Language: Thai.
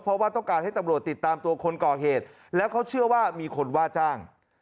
เพราะว่าต้องการให้ตำรวจติดตามตัวคนก่อเหตุแล้วเขาเชื่อว่ามีคนว่าจ้าง